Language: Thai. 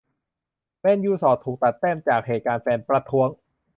แมนยู ส่อถูก ตัดแต้ม จากเหตุการณ์แฟนประท้วง